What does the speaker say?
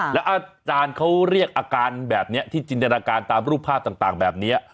แล้วอาจารย์เขาเรียกอาการแบบนี้ที่จินตนาการตามรูปภาพต่างแบบนี้